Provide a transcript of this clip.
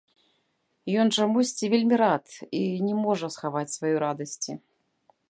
Ён чамусьці вельмі рад і не можа схаваць сваёй радасці.